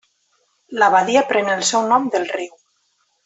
La badia pren el seu nom del riu.